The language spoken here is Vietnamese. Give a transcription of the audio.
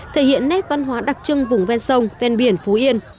thể hiện nét văn hóa đặc trưng vùng ven sông ven biển phú yên